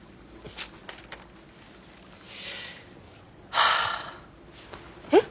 はあ。えっ！？